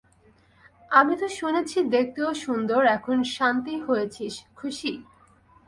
আমি তো শুনেছি দেখতেও সুন্দর, এখন শান্তি হয়েছিস, খুশি?